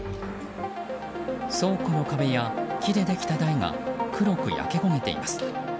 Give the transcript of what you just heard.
倉庫の壁や、木でできた台が黒く焼け焦げています。